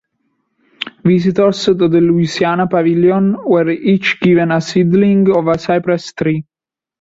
Visitors to the Louisiana Pavilion were each given a seedling of a cypress tree.